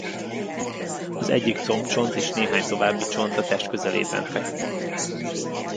Az egyik combcsont és néhány további csont a test közelében feküdt.